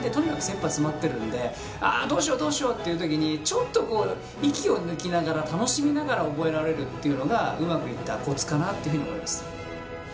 あどうしようどうしようっていう時にちょっとこう息を抜きながら楽しみながら覚えられるっていうのがうまくいったコツかなっていうふうに思います。